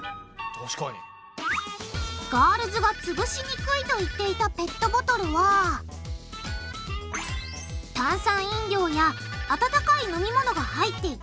ガールズがつぶしにくいと言っていたペットボトルは炭酸飲料や温かい飲み物が入っていたもの。